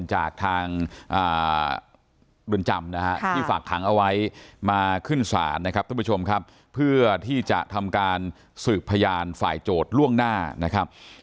จากทางรุนจำที่ฝากขังเอาไว้มาขึ้นศาลเพื่อที่จะทำการสืบพยานฝ่ายโจทย์ล่วงหน้า